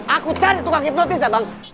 aku cari tukang hipnotis ya bang